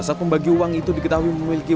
saat pembagi uang itu diketahui memiliki